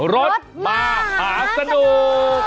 รถมหาสนุก